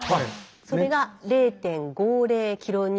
それが０．５０ｋＮ。